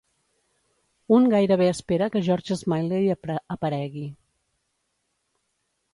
Un gairebé espera que George Smiley aparegui.